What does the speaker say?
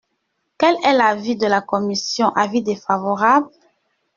Quel est l’avis de la commission ? Avis défavorable.